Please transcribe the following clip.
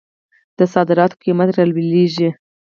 د صادراتو قیمت رالویږي.